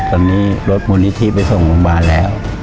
ตอนนี้รถมนุษย์ที่ไปส่งโรงพยาบาลแล้ว